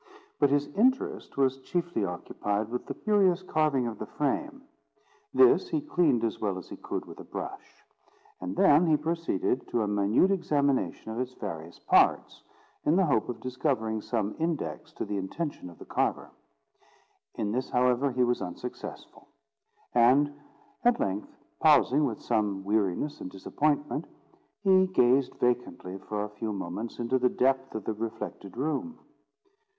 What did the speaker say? But his interest was chiefly occupied with the curious carving of the frame. This he cleaned as well as he could with a brush; and then he proceeded to a minute examination of its various parts, in the hope of discovering some index to the intention of the carver. In this, however, he was unsuccessful; and, at length, pausing with some weariness and disappointment, he gazed vacantly for a few moments into the depth of the reflected room.